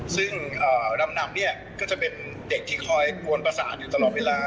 ซึ่งดำเนี่ยก็จะเป็นเด็กที่คอยกวนประสานอยู่ตลอดเวลา